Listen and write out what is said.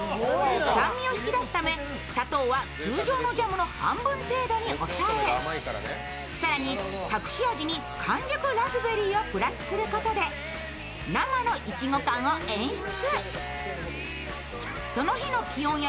酸味を引き出すため、砂糖は通常のジャムの半分程度に抑え更に、隠し味に完熟ラズベリーをプラスすることで生のいちご感を演出。